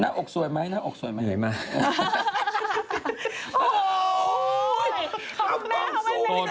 หน้าอกสวยไหมบางอย่างไงบ้าง